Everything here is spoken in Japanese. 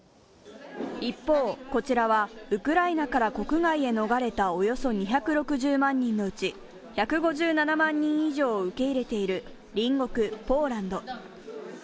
一方、こちらはウクライナから国外へ逃れたおよそ２６０万人のうち、１５７万人以上を受け入れている隣国ポーランド。